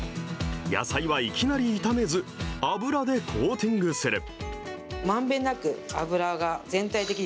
野菜はいきなり炒めず、油でコーティングする。